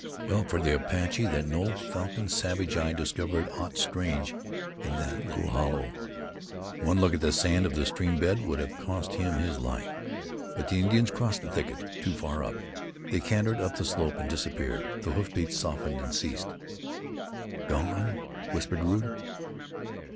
Well for the Apache that no falcon savage eye discovered aught strange in the little hollow! One look at the sand of the stream bed would have cost him his life. But the Indians crossed the thicket too far up; they cantered up the slope and disappeared. The hoof beats softened and ceased. "Gone?" whispered Rude.